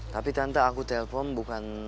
tapi tante aku telpon bukan